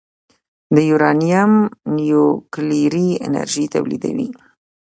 د یورانیم نیوکلیري انرژي تولیدوي.